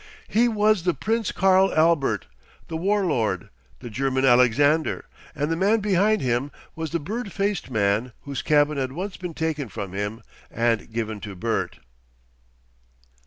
He was the Prince Karl Albert, the War Lord, the "German Alexander," and the man behind him was the bird faced man whose cabin had once been taken from him and given to Bert.